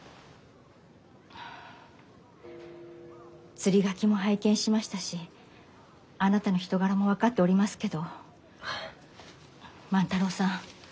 釣書も拝見しましたしあなたの人柄も分かっておりますけど万太郎さん